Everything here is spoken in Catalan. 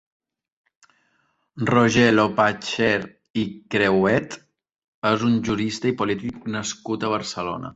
Roger Loppacher i Crehuet és un jurista i polític nascut a Barcelona.